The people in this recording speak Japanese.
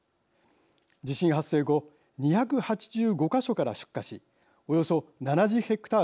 地震発生後２８５か所から出火しおよそ７０ヘクタールが焼失。